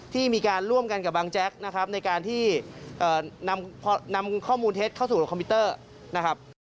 ที่มีการร่วมกันกับบางแจ๊คในการที่นำข้อมูลเท็จเข้าสู่คอมพิวเตอร์